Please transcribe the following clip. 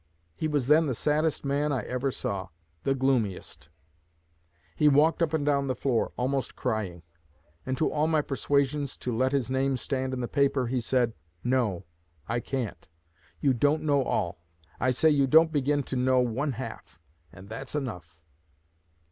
He was then the saddest man I ever saw the gloomiest. He walked up and down the floor, almost crying; and to all my persuasions to let his name stand in the paper, he said, 'No, I can't. You don't know all. I say you don't begin to know one half; and that's enough.'"